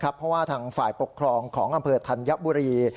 เพราะว่าทางฝ่ายปกครองของอำเภอธัญบุรี